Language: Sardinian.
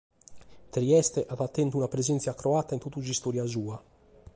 Trieste at tentu una presèntzia croata in totu s’istòria sua.